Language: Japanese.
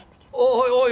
おいおい